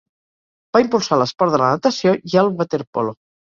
Va impulsar l'esport de la natació i el waterpolo.